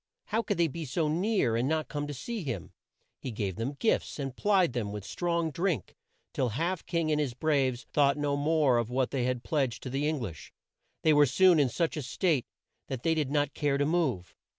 How could they be so near and not come to see him? He gave them gifts and plied them with strong drink, till Half King and his braves thought no more of what they had pledged to the Eng lish. They were soon in such a state that they did not care to move.